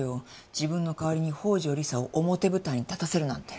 自分の代わりに宝城理沙を表舞台に立たせるなんて。